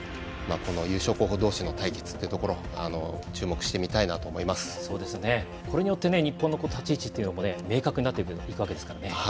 この優勝候補同士の対決というところこれによって日本の立ち位置というのも明確になっていくわけですからね。